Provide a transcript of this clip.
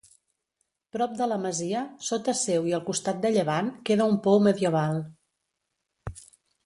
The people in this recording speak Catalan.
Prop de la masia, sota seu i al costat de llevant, queda un pou medieval.